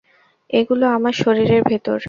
এগুলো আমার শরীরের ভেতর।